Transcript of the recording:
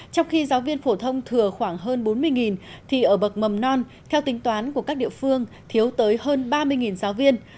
trong khi giáo viên phổ thông thừa khoảng hơn bốn mươi thì ở bậc mầm non theo tính toán của các địa phương thiếu tới hơn ba mươi giáo viên